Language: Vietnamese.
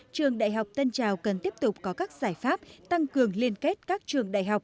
trường đại học tân trào cần tiếp tục có các giải pháp tăng cường liên kết các trường đại học